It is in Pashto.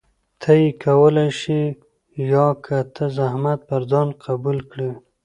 ته يې کولى شې يا که ته زحمت پر ځان قبول کړي؟